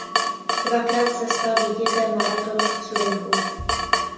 Dvakrát se stal vítězem maratonu v Curychu.